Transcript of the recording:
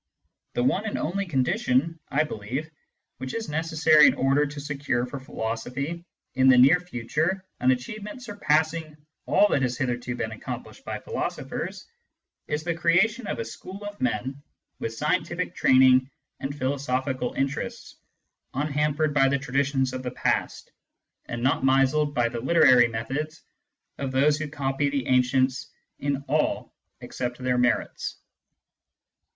The one and only condition, I believe, which is necessary in order to secure for philosophy in the near future an achievement surpassing all that has hitherto been accom plished by philosophers, is the creation of a school of men with scientific training and philosophical interests, unhampered by the traditions of the past, and not misled by the literary methods of those who copy the ancients in all except their merits.